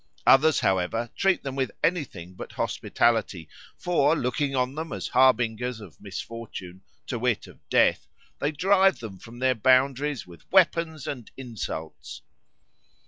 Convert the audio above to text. Others, however, treat them with anything but hospitality; for, looking on them as harbingers of misfortune, to wit of death, they drive them from their boundaries with weapons and insults."